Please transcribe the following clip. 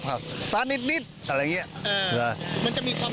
รสชาติมันเป็นยังไงครับ